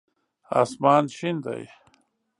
اسمان شین دی